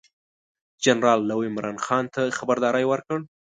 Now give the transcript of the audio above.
جنرال لو عمرا خان ته خبرداری ورکړ.